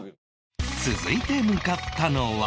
続いて向かったのは